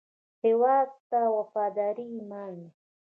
هیواد ته وفاداري ایمان دی